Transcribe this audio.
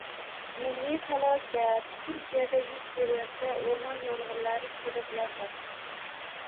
“Milliy falokat”: Turkiyada yuz berayotgan o‘rmon yong‘inlari — suratlarda